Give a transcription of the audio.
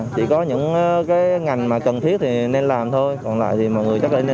chỉ có những ngành cần thiết thì nên làm thôi còn lại thì mọi người chắc là nên ở nhà